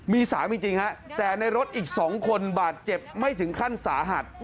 มี๓จริงฮะแต่ในรถอีก๒คนบาดเจ็บไม่ถึงขั้นสาหัส